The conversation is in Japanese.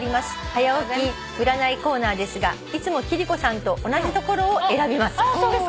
はや起き占いコーナーですがいつも貴理子さんと同じところを選びます」